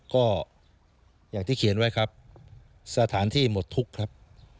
ก็อย่างที่เขียนไว้ครับสถานที่หมดทุกข์ครับ